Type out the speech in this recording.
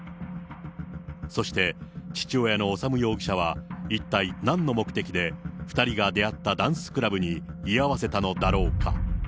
そして父親の修容疑者は、一体なんの目的で２人が出会ったダンスクラブに居合わせたのだろうか。